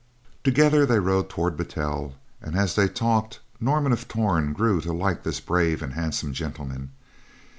Together they rode toward Battel, and as they talked, Norman of Torn grew to like this brave and handsome gentleman.